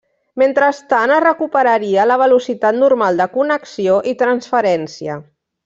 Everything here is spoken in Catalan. Mentrestant, es recuperaria la velocitat normal de connexió i transferència.